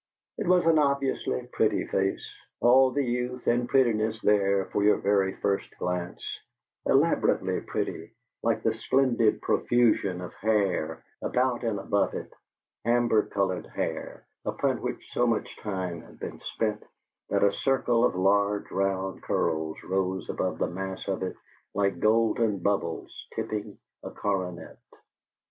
It was an obviously pretty face, all the youth and prettiness there for your very first glance; elaborately pretty, like the splendid profusion of hair about and above it amber colored hair, upon which so much time had been spent that a circle of large, round curls rose above the mass of it like golden bubbles tipping a coronet.